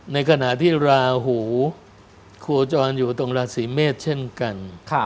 ในขณะที่ราหูโคจรอยู่ตรงราศีเมษเช่นกัน